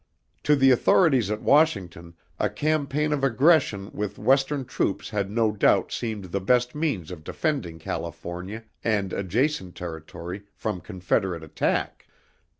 To the authorities at Washington, a campaign of aggression with western troops had no doubt seemed the best means of defending California and adjacent territory from Confederate attack.